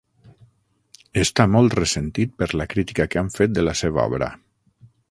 Està molt ressentit per la crítica que han fet de la seva obra.